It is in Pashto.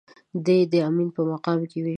دی يې د امين په مقام کې وي.